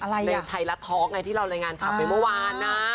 ในใตละทอคที่เรารายงานไปเมื่อวานนะ